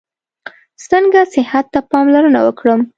څنګه صحت ته پاملرنه وکړم؟